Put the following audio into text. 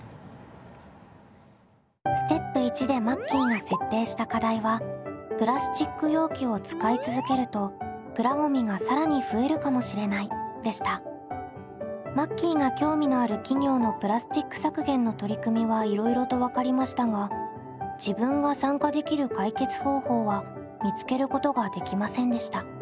ステップ①でマッキーが設定した課題はマッキーが興味のある企業のプラスチック削減の取り組みはいろいろと分かりましたが自分が参加できる解決方法は見つけることができませんでした。